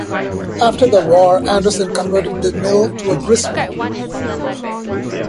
After the war Anderson converted the mill to a gristmill.